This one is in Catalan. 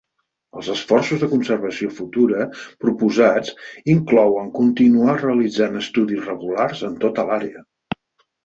Els esforços de conservació futura proposats inclouen continuar realitzant estudis regulars en tota l'àrea.